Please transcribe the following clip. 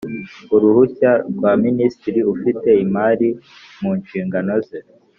Uruhushya rwa minisitiri ufite imari mu nshingano ze